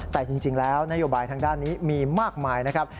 แต่จริงแล้วนโยบายทางด้านนี้มีมากมายนะครับ